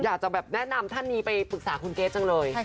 อยากจะแบบแนะนำท่านนี้ไปปรึกษาคุณเกรทจังเลย